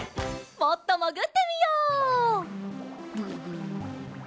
もっともぐってみよう。